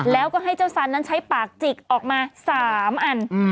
แล้วก็ให้เจ้าสันนั้นใช้ปากจิกออกมา๓อัน